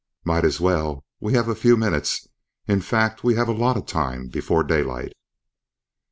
"Might as well. We have a few minutes in fact, we have a lot of time, before daylight."